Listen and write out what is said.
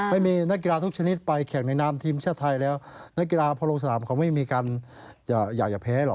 ไม่มีนักกีฬาทุกชนิดไปแข่งในนามทีมชาติไทยแล้วนักกีฬาพอลงสนามเขาไม่มีการจะอยากจะแพ้หรอก